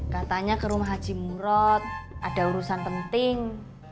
katanya ke rumah haji murot ada urusan penting